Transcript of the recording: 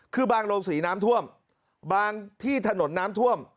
คือบางโรงศรีน้ำท่วมบางที่ถนนน้ำท่วม